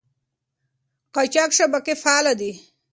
قاچاق شبکې فعالې دي.